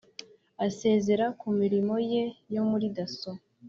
Asezera ku mirimo ye yo muri dasso